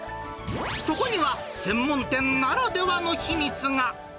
そこには専門店ならではの秘密が。